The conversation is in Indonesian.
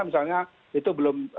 misalnya itu belum